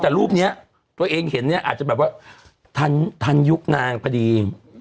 แต่รูปนี้ตัวเองเห็นเนี่ยอาจจะแบบว่าทันยุคนางพอดี